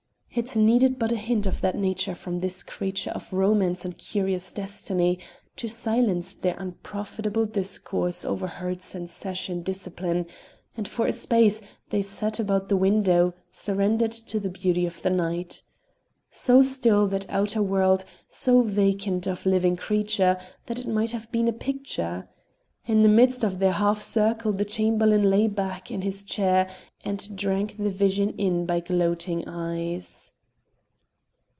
It needed but a hint of that nature from this creature of romance and curious destiny to silence their unprofitable discourse over herds and session discipline, and for a space they sat about the window, surrendered to the beauty of the night. So still that outer world, so vacant of living creature, that it might have been a picture! In the midst of their half circle the Chamberlain lay back in his chair and drank the vision in by gloating eyes.